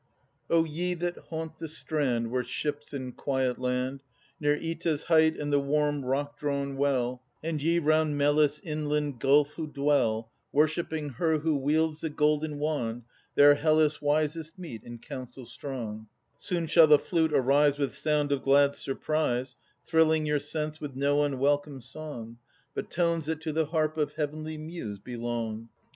O ye that haunt the strand I 1 Where ships in quiet land Near Oeta's height and the warm rock drawn well, And ye round Melis' inland gulf who dwell, Worshipping her who wields the golden wand, (There Hellas' wisest meet in council strong): Soon shall the flute arise With sound of glad surprise, Thrilling your sense with no unwelcome song, But tones that to the harp of Heavenly Muse belong.